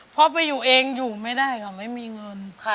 เพราะไปอยู่เองอยู่ไม่ได้ค่ะไม่มีเงิน